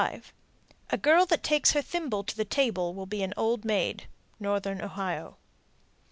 A girl that takes her thimble to the table will be an old maid. _Northern Ohio.